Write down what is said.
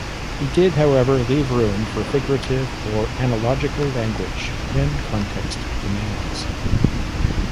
He did, however, leave room for figurative or analogical language when context demands.